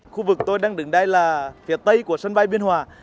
khu vực tôi đang đứng đây là phía tây của sân bay biên hòa